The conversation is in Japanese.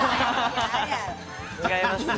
違いますね。